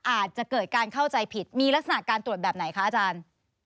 อาจจะเกิดการเข้าใจผิดมีลักษณะการตรวจแบบไหนคะอาจารย์